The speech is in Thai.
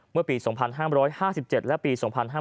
เมื่อปี๒๕๕๗และปี๒๕๕๙